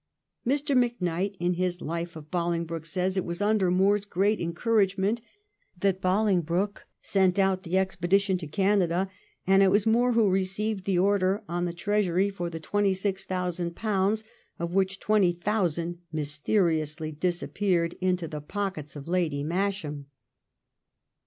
Mr. Macknight, in his Life of Bolingbroke, says it was under Moor's ' great encouragement that Bolingbroke sent out the expedition to Canada ; and it was Moore who received the order on the Treasury for the twenty six thousand pounds, of which twenty thousand mysteriously disappeared into the pockets of Lady Masham.'